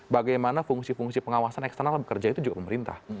bagaimana fungsi fungsi pengawasan eksternal bekerja itu juga pemerintah